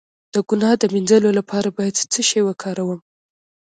د ګناه د مینځلو لپاره باید څه شی وکاروم؟